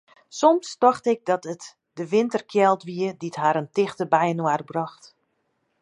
Soms tocht ik dat it de winterkjeld wie dy't harren tichter byinoar brocht.